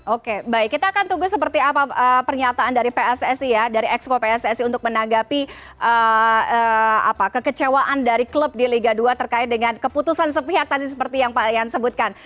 oke baik kita akan tunggu seperti apa pernyataan dari pssi ya dari exco pssi untuk menanggapi kekecewaan dari klub di liga dua terkait dengan keputusan sepihak tadi seperti yang pak ian sebutkan